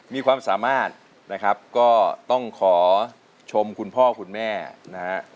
มีความสามารถนะครับก็ต้องขอชมคุณพ่อคุณแม่นะฮะ